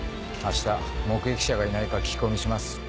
明日目撃者がいないか聞き込みします。